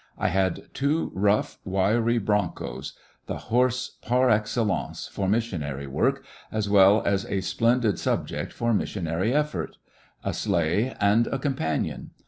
I had two rough, wiry broncos,— the horse par excellence for missionary work, as well as a splendid sub ject for missionary effort,— a sleigh, and a com panion.